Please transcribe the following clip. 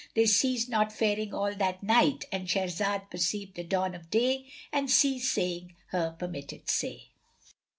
They ceased not faring all that night.—And Shahrazad perceived the dawn of day and ceased saying her permitted say.